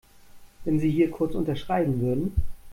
Wenn Sie hier kurz unterschreiben würden.